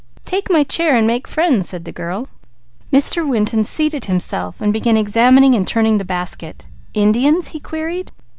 "Take my chair and make friends," said the girl. Mr. Winton seated himself, then began examining and turning the basket. "Indians?" he queried.